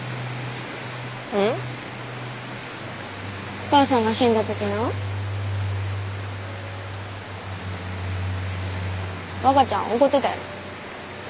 お母さんが死んだ時な和歌ちゃん怒ってたやろ。